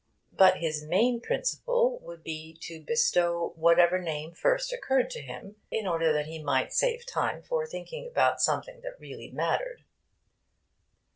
But his main principle would be to bestow whatever name first occurred to him, in order that he might save time for thinking about something that really mattered.